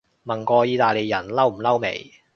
問過意大利人嬲唔嬲未